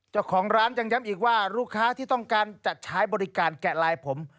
เจ้าของร้านยังย้ำอีกว่าลูกค้าที่ต้องการจัดใช้บริการแกะลายผม